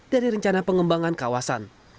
dari rencana pengembangan kawasan